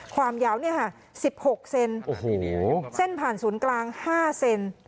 ความยาวเนี่ยฮะสิบหกเซนโอ้โหนิ้วเส้นผ่านศูนย์กลางห้าเซน